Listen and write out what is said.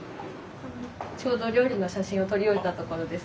ちょうど料理の写真を撮り終えたところです。